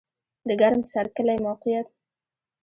د ګرم سر کلی موقعیت